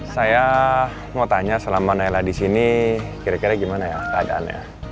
saya mau tanya selama naila di sini kira kira gimana ya keadaannya